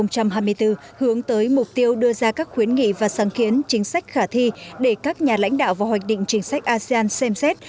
hướng tới mục tiêu đưa ra các khuyến nghị và sáng kiến chính sách khả thi để các nhà lãnh đạo và hoạch định chính sách asean xem xét